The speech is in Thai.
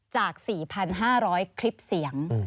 จาก๔๕๐๐คลิปเสียง